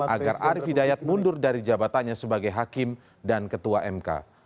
agar arief hidayat mundur dari jabatannya sebagai hakim dan ketua mk